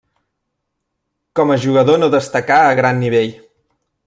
Com a jugador no destacà a gran nivell.